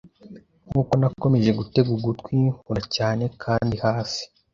nkuko nakomeje gutega ugutwi, nkura cyane kandi hafi.